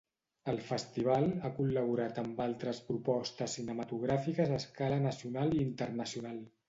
El festival ha col·laborat amb altres propostes cinematogràfiques a escala nacional i internacional.